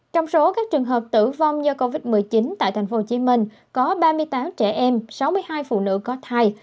trong số các trường hợp tử vong do covid một mươi chín tại tp hcm có ba mươi tám trẻ em sáu mươi hai phụ nữ có thai